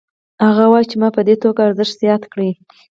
هغه وايي چې ما په دې توکو ارزښت زیات کړ